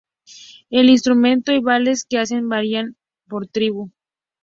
El instrumento y bailes que hacen varían por tribu.